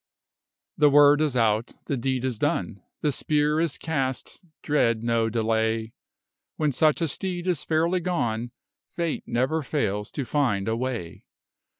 The word is out, the deed is done, The spear is cast, dread no delay; When such a steed is fairly gone, Fate never fails to find a way.